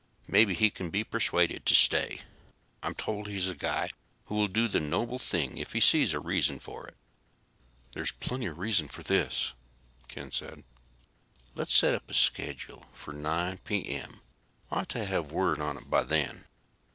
Maybe he can be persuaded to stay. I'm told he's a guy who will do the noble thing if he sees a reason for it." "There's plenty of reason for this," said Ken. "Let's set a schedule for 9 p.m. I ought to have word on it by then."